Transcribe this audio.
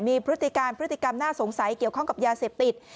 มีพฤติการพฤติกรรมน่าสงสัยเกี่ยวข้องกับยาเสพติด